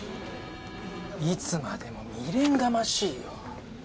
いつまでも未練がましいよ